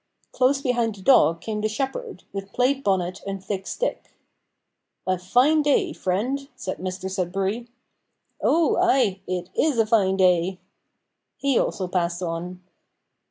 Close behind the dog came the shepherd, with plaid bonnet and thick stick. "A fine day, friend," said Mr Sudberry. "Oo, ay, it is a fine day." He also passed on.